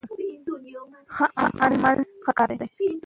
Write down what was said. هغه مهال چې پاکې اوبه وکارول شي، روغتیا ټینګېږي.